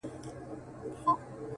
حق ته یې چې حق ویل باطلو ته باطل